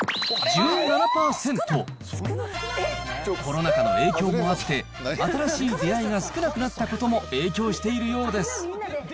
コロナ禍の影響もあって、新しい出会いが少なくなったことも影響しているようです。